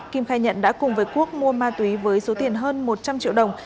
kim khai nhận đã cùng với quốc mua ma túy với số tiền hơn một trăm linh triệu đồng